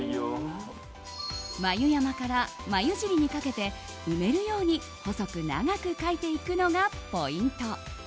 眉山から眉尻にかけて埋めるように細く長く描いていくのがポイント。